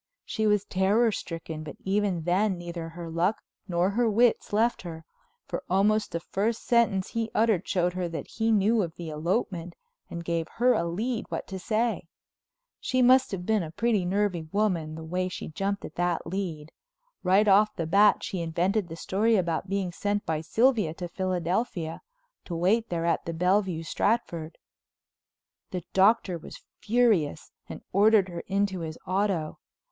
She was terror stricken, but even then neither her luck nor her wits left her, for almost the first sentence he uttered showed her that he knew of the elopement and gave her a lead what to say. She must have been a pretty nervy woman the way she jumped at that lead. Right off the bat she invented the story about being sent by Sylvia to Philadelphia—to wait there at the Bellevue Stratford. The Doctor was furious and ordered her into his auto.